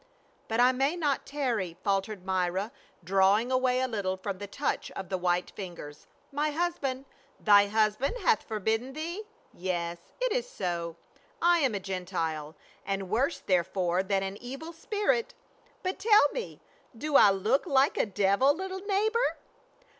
" But I may not tarry," faltered Myra, drawing away a little from the touch of the white fingers. " My hus band —"" Thy husband hath forbidden thee ? Yes, it is so, I am a Gentile, and worse therefore than an evil spirit. But tell me, do I look like a devil, little neighbor?"